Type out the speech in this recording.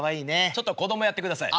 ちょっと子供やってください。